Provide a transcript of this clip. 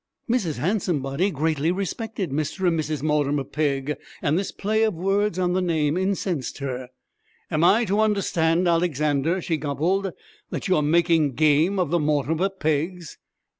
Mrs. Handsomebody greatly respected Mr. and Mrs. Mortimer Pegg, and this play of words on the name incensed her. 'Am I to understand, Alexander,' she gobbled, 'that you are making game of the Mortimer Peggs?'